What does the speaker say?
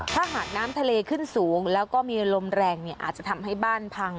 ถ้าหากน้ำทะเลขึ้นสูงแล้วก็มีลมแรงเนี่ยอาจจะทำให้บ้านพัง